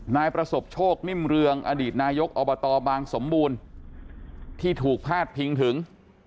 นายประสบโชคนิ่มเรืองอดีตนายกอบตบางสมบูรณ์ที่ถูกพาดพิงถึง